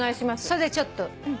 それでちょっと。